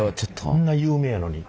あんな有名やのに？